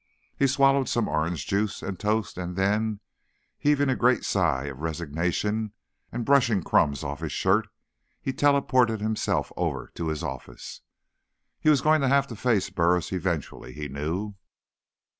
He swallowed some orange juice and toast and then, heaving a great sigh of resignation and brushing crumbs off his shirt, he teleported himself over to his office. He was going to have to face Burris eventually, he knew.